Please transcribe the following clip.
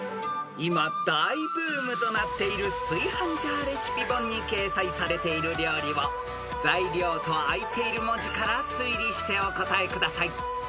［今大ブームとなっている炊飯ジャーレシピ本に掲載されている料理を材料とあいている文字から推理してお答えください］